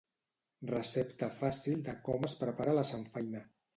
Recepta fàcil de com es prepara la samfaina.